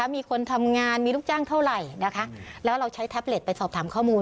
มีคนทำงานมีลูกจ้างเท่าไหร่นะคะแล้วเราใช้แท็บเล็ตไปสอบถามข้อมูล